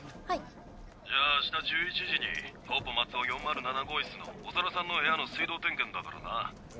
「じゃあ明日１１時にコーポ松尾４０７号室の長田さんの部屋の水道点検だからな」